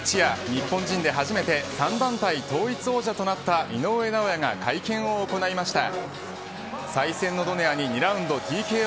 日本人で初めて３団体統一王者となった井上尚弥が会見を行いました。